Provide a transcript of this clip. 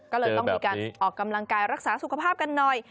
ก็เลยต้องมีการออกกำลังกายรักษาสุขภาพกันหน่อย